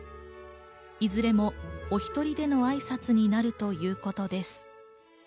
いずれもお１人でのあいさつになるということです。